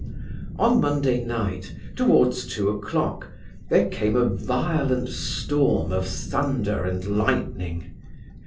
On Monday night, towards two o'clock, there came a violent storm of thunder and lightning.